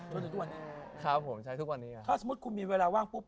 จนถึงทุกวันนี้ครับผมใช้ทุกวันนี้ไงถ้าสมมุติคุณมีเวลาว่างปุ๊บ